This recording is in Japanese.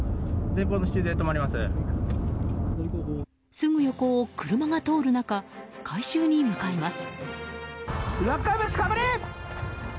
すぐ横を車が通る中回収に向かいます。